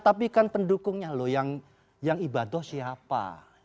tapi kan pendukungnya loh yang ibadah siapa